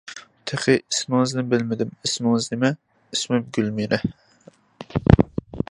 -تېخى ئىسمىڭىزنى بىلمىدىم ئىسمىڭىز نېمە؟ -ئىسمىم گۈلمىرە.